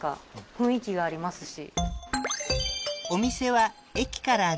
雰囲気がありますし。